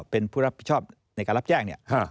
เป็นผู้รับผิดชอบในการรับแจ้งเนี่ย